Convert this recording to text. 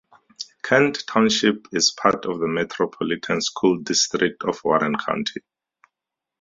Kent Township is part of the Metropolitan School District of Warren County.